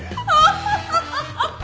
ハハハハ！